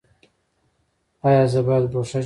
ایا زه باید ګوښه ژوند وکړم؟